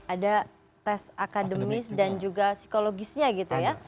ada tes akademis dan juga psikologisnya gitu ya